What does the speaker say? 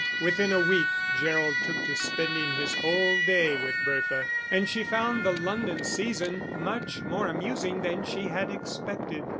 Within a week Gerald took to spending his whole day with Bertha, and she found the London season much more amusing than she had expected.